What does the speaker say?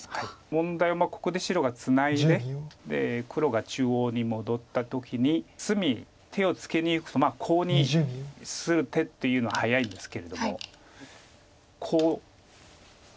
問題はここで白がツナいで黒が中央に戻った時に隅手をつけにいくとコウにする手っていうのは早いんですけれどもコウ。